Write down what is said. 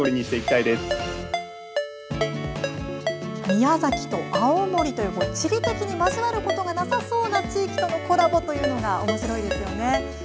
宮崎と青森という地理的に交わることがなさそうな地域とのコラボというのがおもしろいですね。